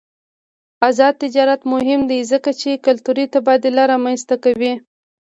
آزاد تجارت مهم دی ځکه چې کلتوري تبادله رامنځته کوي.